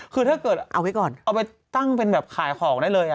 คือถ้าเกิดเอาไว้ก่อนเอาไว้ตั้งมันแบบขายของนั่นเลยอ่ะ